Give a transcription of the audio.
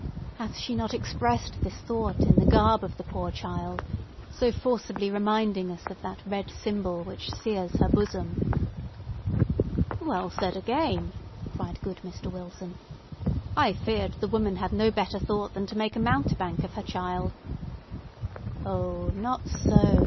Hath she not expressed this thought in the garb of the poor child, so forcibly reminding us of that red symbol which sears her bosom?" "Well said again!" cried good Mr. Wilson. "I feared the woman had no better thought than to make a mountebank of her child!" "Oh, not so!